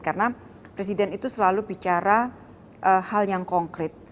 karena presiden itu selalu bicara hal yang konkret